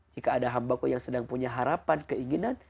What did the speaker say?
jika ada hambaku yang sedang punya harapan keinginan